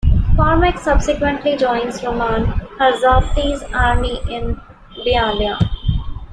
Cormac subsequently joins Rumaan Harjavti's army in Bialya.